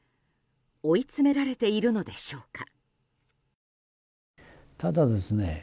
追い詰められているのでしょうか？